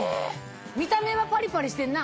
見た目はパリパリしてんな！